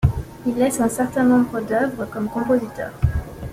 Il laisse un certain nombre d’œuvres comme compositeur.